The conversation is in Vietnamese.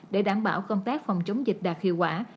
để đảm bảo công tác phòng chống dịch đạt hiệu quả